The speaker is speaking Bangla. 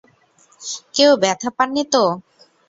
কেউ ব্যাথা পাননি তো?